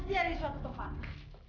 tapi kami dapat berartiyour roomnya